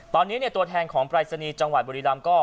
ตอนนี้เนี่ยตัวแทนของปริศนีจังหวัดบริรามก็